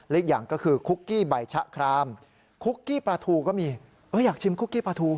อีกอย่างก็คือคุกกี้ใบชะครามคุกกี้ปลาทูก็มีอยากชิมคุกกี้ปลาทู